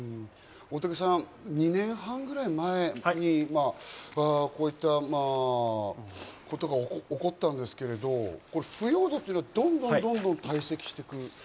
大竹さん、２年半ぐらい前にこういったことが起こったんですけど、腐葉土っていうのはどんどんどんどん堆積してくる。